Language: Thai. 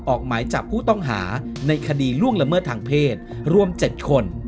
ออกหมายจับผู้ต้องหาในคดีล่วงละเมิดทางเพศรวม๗คน